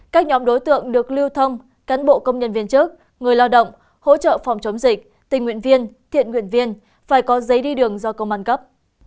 các nhóm đối tượng được lưu thông cán bộ công nhân viên chức người lao động hỗ trợ phòng chống dịch tình nguyện viên thiện nguyện viên phải có giấy đi đường do công an cấp